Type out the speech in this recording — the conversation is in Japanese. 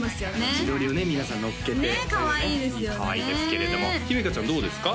自撮りをね皆さんのっけてねえかわいいですよねかわいいですけれども姫華ちゃんどうですか？